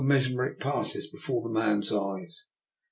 291 « mesmeric passes before the man's eyes.